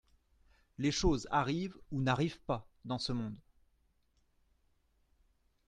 Les choses arrivent ou n'arrivent pas dans ce monde.